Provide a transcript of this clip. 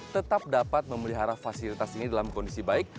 tetap dapat memelihara fasilitas ini dalam kondisi baik